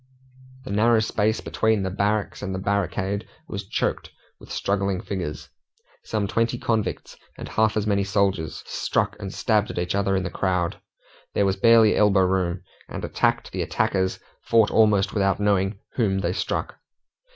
The narrow space between the barracks and the barricade was choked with struggling figures. Some twenty convicts, and half as many soldiers, struck and stabbed at each other in the crowd. There was barely elbow room, and attacked and attackers fought almost without knowing whom they struck.